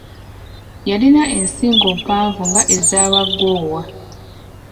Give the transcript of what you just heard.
Yalina ensingo empanvu ng’ez’Abagoowa.